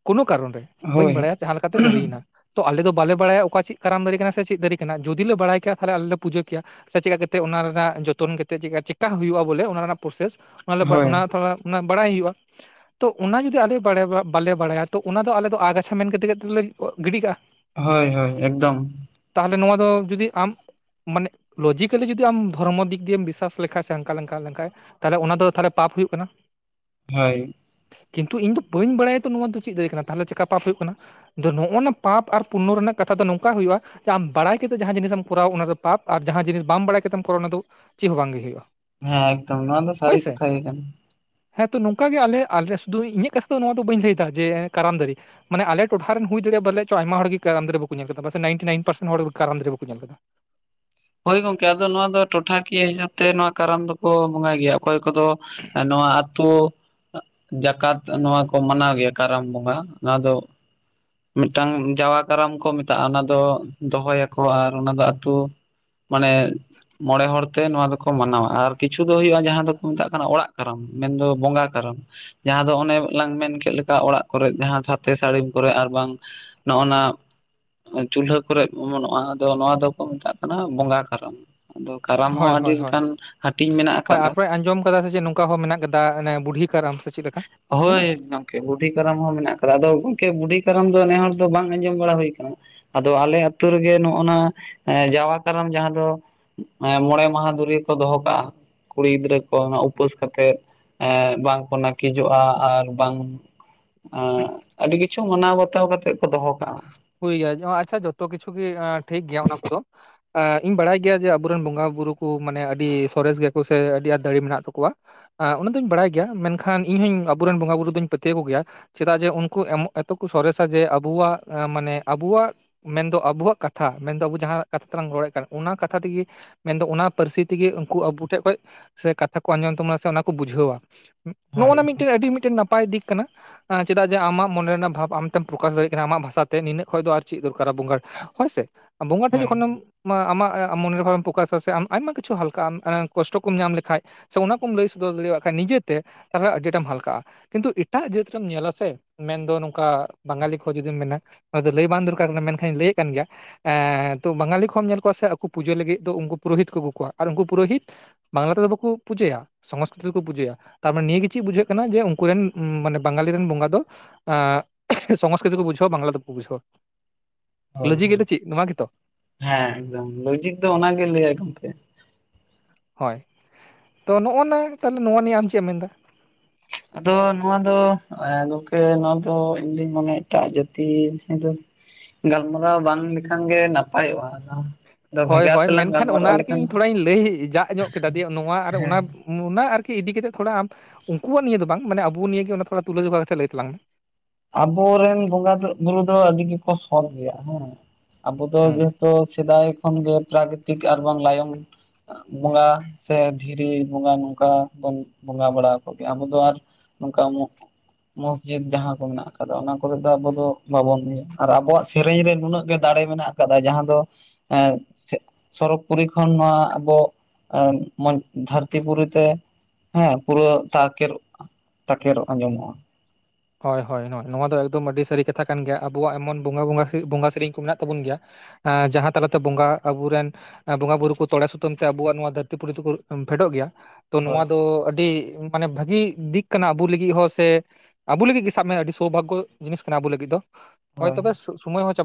ᱠᱳᱱᱳ ᱠᱟᱨᱚᱱ ᱨᱮ ᱵᱟᱹᱧ ᱦᱳᱭ ᱵᱟᱲᱟᱭᱟ ᱡᱟᱦᱟᱸᱞᱮᱠᱟᱛᱮ ᱫᱟᱨᱤᱭᱮᱱᱟ᱾ ᱛᱚ ᱟᱞᱮ ᱫᱚ ᱵᱟᱞᱮ ᱵᱟᱲᱟᱭᱟ ᱚᱠᱟ ᱪᱮᱫ ᱠᱟᱨᱟᱢ ᱫᱟᱨᱮ ᱠᱟᱱᱟ ᱥᱮ ᱪᱮᱫ ᱫᱟᱨᱮ ᱠᱟᱱᱟ ᱡᱩᱫᱤ ᱞᱮ ᱵᱟᱲᱟᱭ ᱠᱮᱭᱟ ᱛᱟᱦᱞᱮ ᱟᱞᱮ ᱞᱮ ᱯᱩᱡᱟᱹ ᱠᱮᱭᱟ᱾ ᱥᱮ ᱪᱮᱫᱠᱟ ᱠᱟᱛᱮᱫ ᱚᱱᱟ ᱨᱮᱱᱟᱜ ᱡᱚᱛᱚᱱ ᱠᱟᱛᱮᱫ ᱪᱮᱠᱟ ᱦᱩᱭᱩᱜᱼᱟ ᱵᱚᱞᱮ ᱚᱱᱟ ᱨᱮᱱᱟᱜ ᱯᱨᱚᱥᱮᱥ ᱚᱱᱟ ᱞᱮ ᱵᱟ ᱦᱳᱭ ᱚᱱᱟᱛᱚ ᱚᱱᱟ, ᱚᱱᱟ ᱵᱟᱲᱟᱭ ᱦᱩᱭᱩᱜᱼᱟ᱾ ᱛᱚ ᱚᱱᱟ ᱡᱩᱫᱤ ᱟᱞᱮ ᱵᱟᱲᱮ, ᱵᱟᱞᱮ ᱵᱟᱲᱟᱭᱟ ᱛᱚ ᱚᱱᱟᱫᱚ ᱟᱞᱮ ᱫᱚ ᱟᱜᱟᱪᱷᱟ ᱢᱮᱱ ᱠᱟᱛᱮ ᱜᱮᱛᱚᱞᱮ ᱜᱤᱰᱤ ᱠᱟᱜᱼᱟ᱾ ᱦᱳᱭ-ᱦᱳᱭ ᱮᱠᱫᱚᱢ᱾ ᱛᱟᱦᱚᱞᱮ ᱱᱚᱣᱟ ᱫᱚ ᱡᱩᱫᱤ ᱟᱢ ᱢᱟᱱᱮ ᱞᱚᱡᱤᱠᱮᱞᱤ ᱡᱩᱫᱤ ᱟᱢ ᱫᱷᱚᱨᱢᱚ ᱫᱤᱠ ᱫᱤᱭᱮᱢ ᱵᱤᱥ ᱥᱟᱥ ᱞᱮᱠᱷᱟᱡᱽ ᱥᱮ ᱦᱟᱝᱠᱟ ᱞᱮᱠᱟ ᱞᱮᱷᱟᱱ ᱛᱟᱦᱚᱞᱮ ᱚᱱᱟ ᱫᱚ ᱛᱦᱟᱞᱮ ᱯᱟᱯ ᱦᱩᱭᱩᱜ ᱠᱟᱱᱟ᱾ ᱦᱳᱭ᱾ ᱠᱤᱱᱛᱩ ᱤᱧ ᱫᱚ ᱵᱟᱹᱧ ᱵᱟᱲᱟᱭᱟ ᱛᱚ ᱱᱚᱣᱟ ᱫᱚ ᱪᱮᱫ ᱫᱟᱨᱮ ᱠᱟᱱᱟ ᱛᱟᱦᱚᱞᱮ ᱪᱮᱠᱟ ᱯᱟᱯ ᱦᱩᱭᱩᱜ ᱠᱟᱱᱟ᱾ ᱟᱫᱚ ᱱᱚᱜᱼᱱᱟ ᱯᱟᱯ ᱟᱨ ᱯᱩᱨᱱᱚ ᱨᱮᱱᱟᱜ ᱠᱟᱛᱷᱟ ᱫᱚ ᱱᱚᱝᱠᱟ ᱦᱩᱭᱩᱜᱼᱟ ᱟᱢ ᱵᱟᱲᱟᱭ ᱠᱟᱛᱮᱫ ᱡᱟᱦᱟᱸ ᱡᱤᱱᱤᱥ ᱮᱢ ᱠᱚᱨᱟᱣᱟ ᱚᱱᱟ ᱫᱚ ᱯᱟᱯ, ᱟᱨ ᱡᱟᱦᱟᱸ ᱡᱤᱱᱤᱥ ᱵᱟᱢ ᱵᱟᱲᱟᱭ ᱠᱟᱛᱮᱢ ᱠᱚᱨᱟᱣᱟ ᱚᱱᱟ ᱫᱚ ᱪᱮᱫ ᱦᱚᱸ ᱵᱟᱝᱜᱮ ᱦᱩᱭᱩᱜᱼᱟ᱾ ᱦᱮᱸ ᱮᱠᱫᱚᱢ ᱱᱚᱣᱟ ᱫᱚ ᱦᱳᱭ ᱥᱟᱹᱨᱤ ᱥᱮ ᱠᱟᱛᱷᱟ ᱜᱮ ᱠᱟᱱᱟ᱾ ᱦᱮᱸ ᱛᱚ ᱱᱚᱝᱠᱟ ᱟᱞᱮ ᱟᱞᱮ ᱥᱩᱫᱩ ᱤᱧᱟᱹᱜ ᱠᱟᱛᱷᱟ ᱱᱚᱣᱟ ᱫᱚ ᱵᱟᱹᱧ ᱞᱟᱹᱭᱫᱟ ᱡᱮ ᱠᱟᱨᱟᱢ ᱫᱟᱨᱮ ᱢᱟᱱᱮ ᱟᱞᱮ ᱴᱚᱴᱷᱟ ᱨᱮᱱ ᱦᱩᱭ ᱫᱟᱲᱮᱭᱟᱜ ᱯᱟᱞᱮ ᱪᱚ ᱟᱭᱢᱟ ᱦᱚᱲ ᱜᱮ ᱠᱟᱨᱟᱢ ᱫᱟᱨᱮ ᱵᱟᱠᱚ ᱧᱮᱞᱫᱟ ᱱᱟᱭᱤᱱᱴᱤ ᱱᱟᱭᱤᱱ ᱯᱟᱨᱥᱮᱱ ᱦᱚᱲ ᱠᱟᱨᱟᱢ ᱫᱟᱨᱮ ᱵᱟᱠᱚ ᱧᱮᱞ ᱟᱠᱟᱫᱟ᱾ ᱦᱳᱭ ᱜᱚᱝᱠᱮ ᱟᱫᱚ ᱱᱚᱣᱟ ᱫᱚ ᱴᱚᱴᱷᱟ ᱠᱤᱭᱟᱹ ᱦᱤᱥᱟᱹᱵ ᱛᱮ ᱱᱚᱣᱟ ᱠᱟᱨᱟᱢ ᱫᱚᱠᱚ ᱵᱚᱸᱜᱟᱭ ᱜᱮᱭᱟ, ᱚᱠᱚᱭ ᱠᱚᱫᱚ ᱱᱚᱣᱟ ᱟᱛᱳ ᱡᱟᱠᱟᱛ ᱱᱚᱣᱟ ᱠᱚ ᱢᱟᱱᱟᱣ ᱜᱮᱭᱟ ᱠᱟᱨᱟᱢ ᱵᱚᱸᱜᱟ ᱱᱚᱭᱟ ᱫᱚ ᱢᱤᱫᱴᱟᱝ ᱡᱟᱣᱟ ᱠᱟᱨᱟᱢ ᱠᱚ ᱢᱮᱛᱟᱜᱼᱟ ᱚᱱᱟ ᱫᱚ ᱫᱚᱦᱚᱭᱟᱠᱚ, ᱟᱨ ᱚᱱᱟ ᱫᱚ ᱟᱹᱛᱩ ᱢᱟᱱᱮ ᱢᱚᱲᱮ ᱦᱚᱲ ᱛᱮ ᱱᱚᱣᱟ ᱫᱚᱠᱚ ᱢᱟᱱᱟᱣᱟ, ᱟᱨ ᱠᱤᱪᱷᱩ ᱫᱚ ᱦᱩᱭᱩᱜᱼᱟ ᱡᱟᱦᱟᱸ ᱫᱚᱠᱚ ᱢᱮᱛᱟᱜ ᱠᱟᱱᱟ ᱚᱲᱟᱜ ᱠᱟᱨᱟᱢ ᱢᱮᱱ ᱵᱚᱸᱜᱟ ᱠᱟᱨᱟᱢ᱾ ᱡᱟᱦᱟᱸ ᱫᱚ ᱚᱱᱮ ᱞᱟᱝ ᱢᱮᱱ ᱠᱮᱫ ᱞᱮᱠᱟ ᱚᱲᱟᱜ ᱠᱚᱨᱮᱜ ᱡᱟᱦᱟᱸ ᱥᱟᱛᱮ ᱥᱟᱹᱲᱤᱢ ᱠᱚᱨᱮ ᱟᱨ ᱵᱟᱝ ᱱᱚᱜᱼ ᱱᱟ ᱪᱩᱞᱦᱟᱹ ᱠᱚᱨᱮᱜ ᱚᱢᱚᱱᱚᱜᱼᱟ ᱟᱫᱚ ᱱᱚᱣᱟ ᱫᱚᱠᱚ ᱢᱮᱛᱟᱜ ᱠᱟᱱᱟ ᱵᱚᱸᱜᱟ ᱠᱟᱨᱚᱢ᱾ ᱦᱳᱭ ᱦᱳᱭ ᱢᱮᱱᱟᱜ ᱦᱳᱭ, ᱟᱠᱟᱫᱟ ᱟᱯᱮ ᱟᱸᱡᱚᱢ ᱠᱟᱫᱟ ᱥᱮᱪᱮ ᱱᱚᱝᱠᱟ ᱦᱚᱸ ᱢᱮᱱᱟᱜ ᱠᱟᱫᱟ ᱵᱩᱰᱦᱤ ᱠᱟᱨᱟᱢ ᱥᱮ ᱪᱮᱫ ᱞᱮᱠᱟ, ᱢᱮᱱᱟᱜᱼᱟ? ᱦᱳᱭ ᱜᱚᱝᱠᱮ ᱵᱩᱰᱷᱤ ᱠᱟᱨᱟᱢ ᱦᱚᱸ ᱢᱮᱱᱟᱜ ᱠᱟᱫᱟ, ᱟᱫᱚ ᱜᱚᱝᱠᱮ ᱵᱩᱰᱷᱤ ᱠᱟᱨᱟᱢ ᱫᱚ ᱱᱮ ᱦᱚᱲ ᱫᱚ ᱵᱟᱝ ᱟᱸᱡᱚᱢ ᱵᱟᱲᱟ ᱦᱩᱭ ᱠᱟᱱᱟ᱾ ᱟᱫᱚ ᱟᱞᱮ ᱟᱹᱛᱩ ᱨᱮᱜᱮ ᱱᱚᱜᱼᱱᱟ ᱡᱟᱣᱟ ᱠᱟᱨᱟᱢ ᱡᱟᱦᱟᱸ ᱫᱚ ᱢᱚᱲᱮ ᱢᱟᱦᱟ ᱫᱷᱩᱨᱤ ᱠᱚ ᱫᱚᱦᱚ ᱠᱟᱜᱼᱟ᱾ ᱠᱩᱲᱤ ᱜᱤᱫᱽᱨᱟᱹ ᱠᱚ ᱩᱯᱟᱹᱥ ᱠᱟᱛᱮᱫ᱾ ᱮ ᱵᱟᱝᱠᱚ ᱱᱟᱹᱠᱤᱡᱚᱜᱼᱟ ᱟᱨ ᱵᱟᱝ ᱟᱹᱰᱤ ᱠᱤᱪᱷᱩ ᱢᱟᱱᱟᱣ ᱵᱟᱛᱟᱣ ᱠᱟᱛᱮᱫ ᱠᱚ ᱫᱚᱦᱚ ᱠᱟᱜᱼᱟ᱾ ᱦᱩᱭ ᱜᱮᱭᱟ ᱟᱪᱪᱷᱟ ᱡᱚᱛᱚ ᱠᱤᱪᱷᱩ ᱜᱮ ᱴᱷᱤᱠ ᱜᱮᱭᱟ ᱚᱱᱟ ᱠᱚᱫᱚ᱾ ᱤᱧ ᱵᱟᱲᱟᱭ ᱜᱮᱭᱟ ᱡᱮ ᱟᱵᱚᱨᱮᱱ ᱵᱚᱸᱜᱟ ᱵᱩᱨᱩ ᱠᱚ ᱢᱟᱱᱮ ᱟᱹᱰᱤ ᱥᱚᱨᱮᱥ ᱜᱮᱭᱟ ᱠᱚ ᱥᱮ ᱟᱹᱰᱤ ᱟᱸᱴ ᱫᱟᱲᱮ ᱢᱮᱱᱟᱜ ᱛᱟᱠᱚᱣᱟ ᱾ ᱚᱱᱟ ᱫᱩᱧ ᱵᱟᱲᱟᱭ ᱜᱮᱭᱟ ᱢᱮᱱᱠᱷᱟᱱ ᱤᱧ ᱦᱚᱧ ᱟᱵᱚᱨᱮᱱ ᱵᱚᱸᱜᱟ ᱵᱩᱨᱩ ᱫᱩᱧ ᱯᱟᱹᱛᱭᱟᱹ ᱟᱠᱚ ᱜᱮᱭᱟ ᱾ ᱪᱮᱫᱟᱜ ᱡᱮ ᱩᱱᱠᱩ ᱮᱢᱚ ᱮᱛᱚ ᱠᱚ ᱥᱚᱨᱮᱥᱟ ᱡᱮ ᱟᱵᱩᱣᱟᱜ ᱢᱟᱱᱮ ᱟᱵᱚᱣᱟᱜ ᱢᱮᱱᱫᱚ ᱟᱵᱚᱣᱟᱜ ᱠᱟᱛᱷᱟ ᱢᱮᱱᱫᱚ ᱟᱵᱚ ᱡᱟᱦᱟᱸ ᱠᱟᱛᱷᱟ ᱛᱮᱞᱟᱝ ᱨᱚᱲᱮᱫ ᱠᱟᱱᱟ ᱚᱱᱟ ᱠᱟᱛᱷᱟ ᱛᱮᱜᱮ ᱢᱮᱱᱫᱚ ᱚᱱᱟ ᱯᱟᱹᱨᱥᱤ ᱛᱮᱜᱮ ᱩᱱᱠᱩ ᱟᱵᱚ ᱴᱷᱮᱜ ᱠᱷᱚᱪ ᱥᱮ ᱠᱟᱛᱷᱟ ᱠᱚ ᱟᱸᱡᱚᱢ ᱛᱟᱢᱟ ᱥᱮ ᱚᱱᱟ ᱠᱚ ᱵᱩᱡᱷᱟᱹᱣᱟ᱾ ᱦᱳᱭ ᱱᱚᱜᱚᱱᱟ ᱢᱤᱫᱴᱮᱱ ᱟᱹᱰᱤ ᱢᱤᱫᱴᱮᱱ ᱱᱟ ᱯᱟᱭ ᱫᱤᱠ ᱠᱟᱱᱟ, ᱪᱮᱫᱟᱜ ᱡᱮ ᱟᱢᱟᱜ ᱢᱚᱱᱮ ᱨᱮᱱᱟᱜ ᱵᱷᱟᱵᱽ ᱟᱢ ᱛᱮᱢ ᱯᱨᱚᱠᱟᱥ ᱫᱟᱲᱮᱭᱟᱜ ᱠᱟᱱᱟ ᱟᱢᱟᱜ ᱵᱷᱟᱥᱟ ᱛᱮ ᱱᱤᱱᱟᱹᱜ ᱠᱷᱚᱪ ᱫᱚ ᱟᱨ ᱪᱮᱫ ᱫᱚᱨᱠᱟᱨᱟ ᱵᱚᱸᱜᱟ ᱦᱳᱭᱥᱮ, ᱵᱚᱸᱜᱟ ᱴᱷᱮᱱ ᱦᱳᱭ ᱡᱚᱠᱷᱚᱱᱮᱢ ᱟᱢᱟᱜ ᱢᱚᱱᱮᱨ ᱵᱷᱟᱵᱮᱢ ᱯᱨᱚᱠᱟᱥᱟ ᱥᱮ ᱟᱢ ᱟᱭᱢᱟ ᱠᱤᱪᱷᱩᱢ ᱦᱟᱞᱠᱟᱜ ᱟᱢ ᱠᱚᱥᱴᱚ ᱠᱚᱢ ᱧᱟᱢ ᱞᱮᱠᱷᱟᱪ ᱥᱮ ᱚᱱᱟ ᱠᱚᱢ ᱞᱟᱹᱭ ᱥᱚᱫᱚᱨ ᱫᱟᱲᱮᱭᱟᱜ ᱠᱷᱟᱪ ᱱᱤᱡᱮᱛᱮ ᱛᱟᱦᱞᱮ ᱟᱹᱰᱤ ᱴᱟᱢ ᱦᱟᱞᱠᱟᱜᱼᱟ ᱾ ᱠᱤᱱᱛᱩ ᱮᱴᱟᱜ ᱡᱟᱹᱛ ᱨᱮᱢ ᱧᱮᱞᱟ ᱥᱮ ᱢᱮᱱᱫᱚ ᱱᱚᱝᱠᱟ ᱵᱟᱝᱜᱟᱞᱤ ᱠᱚ ᱡᱩᱫᱤᱢ ᱢᱮᱱᱟ ᱱᱚᱣᱟ ᱫᱚ ᱞᱟᱹᱭ ᱵᱟᱝ ᱫᱚᱨᱠᱟᱨ ᱠᱟᱱᱟ ᱢᱮᱱᱠᱷᱟᱱᱤᱧ ᱞᱟᱹᱭᱮᱫ ᱠᱟᱱ ᱜᱮᱭᱟ ᱮ ᱛᱚ ᱵᱟᱝᱟᱞᱤ ᱠᱷᱚᱢ ᱧᱮᱞ ᱠᱚᱣᱟ ᱥᱮ ᱟᱠᱚ ᱯᱩᱡᱟᱹ ᱞᱟᱹᱜᱤᱫ ᱫᱚ ᱩᱱᱠᱩ ᱯᱩᱨᱳᱦᱤᱛ ᱠᱚ ᱟᱹᱜᱩ ᱠᱚᱣᱟ ᱟᱨ ᱩᱱᱠᱩ ᱯᱩᱨᱳᱦᱤᱛ ᱵᱟᱝᱞᱟ ᱛᱮᱫᱚ ᱵᱟᱠᱚ ᱯᱩᱡᱟᱹᱭᱟ ᱾ ᱥᱚᱝᱥᱠᱨᱤᱛ ᱛᱮᱠᱚ ᱯᱩᱡᱟᱹᱭᱟ ᱛᱟᱨᱢᱟᱱᱮ ᱱᱤᱭᱟᱹ ᱜᱮ ᱪᱮᱫ ᱵᱩᱡᱷᱟᱹᱜ ᱠᱟᱱᱟ ᱡᱮ ᱩᱱᱠᱩ ᱨᱮᱱ ᱢᱟᱱᱮ ᱵᱟᱝᱜᱟᱞᱤ ᱨᱮᱱ ᱵᱚᱸᱜᱟ ᱫᱚ ᱥᱚᱝᱥᱠᱨᱤᱛ ᱫᱚᱠᱚ ᱵᱩᱡᱷᱟᱹᱣᱟ ᱵᱟᱝᱞᱟ ᱫᱚ ᱵᱟᱠᱚ ᱵᱩᱡᱷᱟᱹᱣᱟ, ᱦᱳᱭ ᱞᱚᱡᱤ ᱜᱮ ᱦᱳᱭ ᱪᱮᱫ ᱱᱚᱣᱟ ᱜᱮᱛᱚ? ᱦᱮᱸ ᱮᱠᱫᱚᱢ ᱞᱚᱡᱤᱠ ᱫᱚ ᱚᱱᱟᱜᱮ ᱞᱟᱹᱭᱟᱭ ᱜᱚᱢᱠᱮ ᱾ ᱦᱳᱭ ᱛᱚ ᱱᱚᱜᱚᱱᱟ ᱛᱟᱦᱞᱮ ᱱᱚᱣᱟ ᱱᱤᱭᱟᱹ ᱟᱢ ᱪᱮᱫ ᱮᱢ ᱢᱮᱱᱫᱟ ᱟᱫᱚ ᱱᱚᱣᱟ ᱫᱚ ᱜᱚᱝᱠᱮ ᱱᱚᱣᱟ ᱫᱚ ᱤᱧᱫᱩᱧ ᱢᱚᱱᱮ ᱮᱴᱟᱜ ᱡᱟᱹᱛᱤ ᱫᱚ ᱜᱟᱞᱢᱟᱨᱟᱣ ᱵᱟᱝ ᱞᱮᱠᱷᱟᱱ ᱜᱮ ᱱᱟᱯᱟᱭᱚᱜᱼᱟ ᱫᱚ ᱦᱳᱭ ᱵᱷᱮᱜᱟᱨ ᱦᱳᱭ ᱛᱮᱞᱟᱝ ᱢᱮᱱᱠᱷᱟᱱ ᱚᱱᱟ ᱜᱟᱞᱢᱟᱨᱟᱣ ᱨᱮᱜᱤ ᱞᱮᱠᱷᱟᱱ ᱤᱧ ᱛᱷᱚᱲᱟᱧ ᱞᱟᱹᱭ ᱡᱟ ᱧᱚᱜ ᱠᱮᱫᱟ ᱫᱤᱭᱮ ᱱᱚᱣᱟ ᱟᱨ ᱚᱱᱟ ᱦᱮᱸ ᱚᱱᱟ ᱟᱨᱠᱤ ᱤᱫᱤ ᱠᱟᱛᱮᱫ ᱛᱷᱚᱲᱟ ᱟᱢ ᱩᱱᱠᱩᱣᱟᱜ ᱱᱤᱭᱮ ᱫᱚ ᱵᱟᱝ ᱢᱟᱱᱮ ᱟᱵᱚ ᱱᱤᱭᱮ ᱜᱮ ᱚᱱᱟ ᱛᱷᱟᱲᱟ ᱛᱩᱞᱟᱹ ᱡᱚᱠᱟ ᱠᱟᱛᱮᱫ ᱞᱟᱹᱭ ᱛᱟᱞᱟᱝ ᱢᱮ ᱾ ᱟᱵᱚᱨᱮᱱ ᱵᱚᱸᱜᱟ ᱫᱚ ᱵᱩᱨᱩ ᱫᱚ ᱟᱹᱰᱤ ᱜᱮᱠᱚ ᱥᱚᱛ ᱜᱮᱭᱟ ᱦᱮᱸ᱾ ᱟᱵᱚ ᱫᱚ ᱦᱩᱸ ᱡᱮᱦᱮᱛᱩ ᱥᱮᱫᱟᱭ ᱠᱷᱚᱱ ᱜᱮ ᱯᱨᱟᱠᱤᱛᱤᱠ ᱟᱨ ᱵᱟᱝ ᱞᱟᱭᱚᱝ, ᱵᱚᱸᱜᱟ ᱥᱮ ᱫᱷᱤᱨᱤ ᱵᱚᱸᱜᱟ ᱱᱚᱝᱠᱟ ᱵᱚᱱ ᱵᱚᱸᱜᱟ ᱵᱟᱲᱟ ᱟᱠᱚ ᱜᱮᱭᱟ ᱟᱵᱚ ᱫᱚ ᱟᱨ ᱱᱚᱝᱠᱟ ᱢᱚᱜ ᱢᱚᱥᱡᱤᱫ ᱡᱟᱦᱟᱸ ᱠᱚ ᱢᱮᱱᱟᱜ ᱟᱠᱟᱫᱟ ᱚᱱᱟ ᱠᱚᱨᱮᱜ ᱫᱚ ᱟᱵᱚ ᱫᱚ ᱵᱟᱵᱚᱱ ᱤᱭᱟᱹ ᱟᱨ ᱟᱵᱚᱣᱟᱜ ᱥᱮᱨᱮᱧ ᱨᱮ ᱱᱩᱱᱟᱹᱜ ᱜᱮ ᱫᱟᱲᱮ ᱢᱮᱱᱟᱜ ᱟᱠᱟᱫᱟ ᱡᱟᱦᱟᱸ ᱫᱚ ᱮᱸ ᱥᱮ ᱥᱚᱨᱚᱜᱽ ᱯᱩᱨᱤ ᱠᱷᱚᱱ ᱱᱚᱣᱟ ᱟᱵᱚ ᱟᱸ ᱢᱚᱸ ᱫᱷᱟᱹᱨᱛᱤ ᱯᱩᱨᱤ ᱛᱮ ᱦᱮᱸ, ᱯᱩᱨᱟᱹ ᱛᱟᱠᱮᱨᱚᱜ-ᱟ᱾ ᱛᱟᱠᱮᱨᱚᱜ ᱟᱸᱡᱚᱢᱚᱜᱼᱟ᱾ ᱦᱚᱭ ᱦᱚᱭ ᱱᱚᱣᱟ ᱱᱚᱣᱟ ᱫᱚ ᱮᱠᱫᱚᱢ ᱟᱹᱰᱤ ᱥᱟᱹᱨᱤ ᱠᱟᱛᱷᱟ ᱠᱟᱱ ᱜᱮᱭᱟ ᱟᱵᱚᱣᱟᱜ ᱮᱢᱚᱱ ᱵᱚᱸᱜᱟ ᱵᱚᱸᱜᱟ ᱥᱮ ᱵᱚᱸᱜᱟ ᱥᱮᱨᱮᱧ ᱠᱚ ᱢᱮᱱᱟᱜ ᱛᱟᱵᱚᱱ ᱜᱮᱭᱟ ᱮᱸ ᱡᱟᱦᱟᱸ ᱛᱟᱞᱟ ᱛᱮ ᱵᱚᱸᱜᱟ ᱟᱵᱚᱨᱮᱱ ᱮᱸ ᱵᱚᱸᱜᱟ ᱵᱩᱨᱩ ᱠᱚ ᱛᱚᱲᱮ ᱥᱩᱛᱟᱹᱢ ᱛᱮ ᱟᱵᱩᱣᱟᱜ ᱱᱚᱣᱟ ᱫᱷᱟᱹᱨᱛᱤ ᱯᱩᱨᱤ ᱛᱮᱠᱚ ᱮᱢ ᱯᱷᱮᱰᱚᱜ ᱜᱮᱭᱟ᱾ ᱛᱚ ᱱᱚᱣᱟ ᱦᱳᱭ ᱫᱚ ᱟᱹᱰᱤ ᱢᱟᱱᱮ ᱵᱷᱟᱹᱜᱤ ᱫᱤᱠ ᱠᱟᱱᱟ ᱟᱵᱚ ᱞᱟᱹᱜᱤᱫ ᱦᱚᱸ ᱥᱮ ᱟᱵᱩ ᱞᱟᱹᱜᱤᱫ ᱜᱮ ᱥᱟᱵ ᱢᱮ ᱟᱹᱰᱤ ᱥᱳᱵᱷᱟᱜᱜᱚ ᱡᱤᱱᱤᱥ ᱠᱟᱱᱟ ᱟᱵᱚ ᱞᱟᱹᱜᱤᱫ ᱫᱚ, ᱦᱚᱭ ᱦᱳᱭ ᱛᱚᱵᱮ ᱥᱩᱢᱟᱹᱭ ᱦᱚᱸ ᱪᱟᱵᱟ